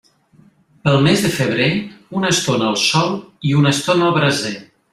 Pel mes de febrer, una estona al sol i una estona al braser.